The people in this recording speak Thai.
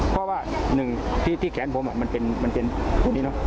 เพราะว่าหนึ่งที่แขนผมมันเป็นตรงนี้